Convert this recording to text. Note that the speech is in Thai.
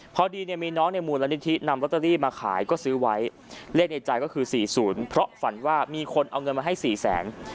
พอดีเนี่ยมีน้องในมูลนิธินำลอตเตอรี่มาขายก็ซื้อไว้เลขในใจก็คือ๔๐เพราะฝันว่ามีคนเอาเงินมาให้สี่แสน